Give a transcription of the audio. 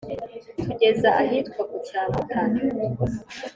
tugeza ahitwa ku cya mutara